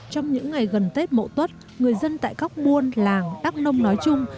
trong những ngày gần tết mậu tuất người dân tại các buôn làng đắk nông nói chung